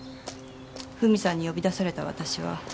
文さんに呼び出された私は。